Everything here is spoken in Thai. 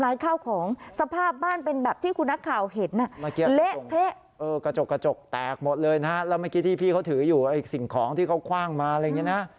แล้วเมื่อกี้ที่พี่เขาถืออยู่สิ่งของที่เขาคว่างมาอะไรอย่างนี้นะ